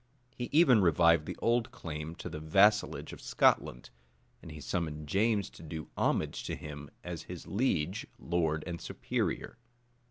He even revived the old claim to the vassalage of Scotland, and he summoned James to do homage to him as his liege lord and superior.